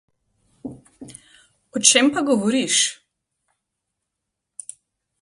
O čem pa govoriš?